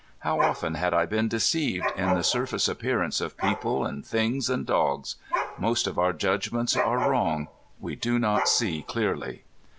How often had I been deceived in the surface appearance of people and things and dogs! Most of our judgments are wrong. We do not see clearly.